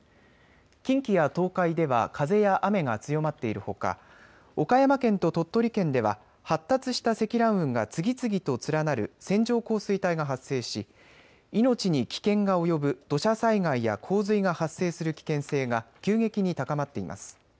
近畿や東海では風や雨が強まっているほか岡山県と鳥取県では発達した積乱雲が次々と連なる線状降水帯が発生し命に危険が及ぶ土砂災害や洪水が発生する危険性が急激に高まっています。